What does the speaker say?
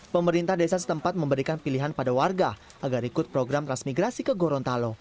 pemerintah desa setempat memberikan pilihan pada warga agar ikut program transmigrasi ke gorontalo